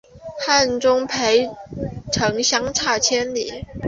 汉中与涪城相差千里。